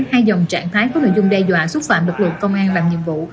hai dòng trạng thái có nội dung đe dọa xúc phạm lực lượng công an làm nhiệm vụ